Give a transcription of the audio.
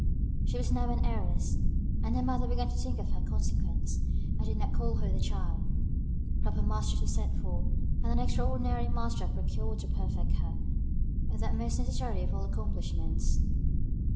She was now an heiress, and her mother began to think her of consequence, and did not call her the child. Proper masters were sent for; she was taught to dance, and an extraordinary master procured to perfect her in that most necessary of all accomplishments.